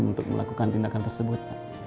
untuk melakukan tindakan tersebut